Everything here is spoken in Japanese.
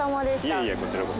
いえいえこちらこそ。